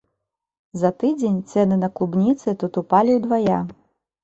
За тыдзень цэны на клубніцы тут упалі ўдвая.